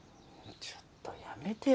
ちょっとやめてよ